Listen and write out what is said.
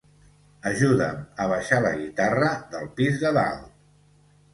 Ajuda'm a baixar la guitarra del pis de dalt